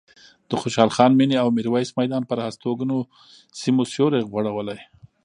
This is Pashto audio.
د خوشحال خان مېنې او میرویس میدان پر هستوګنو سیمو سیوری غوړولی.